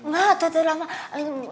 enggak tetep lama